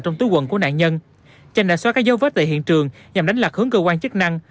trong túi quần của nạn nhân chanh đã xóa các dấu vết tại hiện trường nhằm đánh lạc hướng cơ quan chức năng